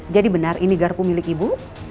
jadi benar ini garpu milik ibu